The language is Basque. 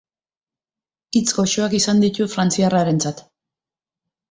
Hitz goxoak izan ditu frantziarrarentzat.